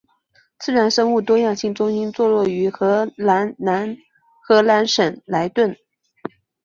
自然生物多样性中心座落于荷兰南荷兰省莱顿。